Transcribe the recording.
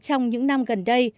trong những năm gần đây